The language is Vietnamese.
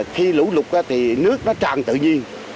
khi lũ lục thì nước nó tràn tự nhiên